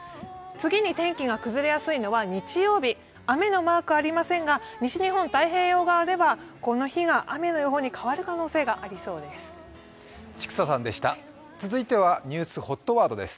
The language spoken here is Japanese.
次に天気が崩れやすいのは日曜日雨のマークはありませんが西日本太平洋側では雨の予報に変わりそうな予想です。